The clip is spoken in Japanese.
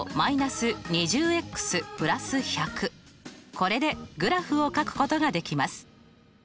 これでグラフをかくことができます。